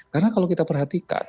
karena kalau kita perhatikan